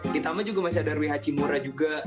ditambah juga masih ada rui hachimura juga